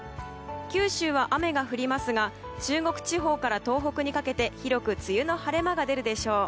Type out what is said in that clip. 九州は雨が降りますが中国地方から東北にかけて、広く梅雨の晴れ間が出るでしょう。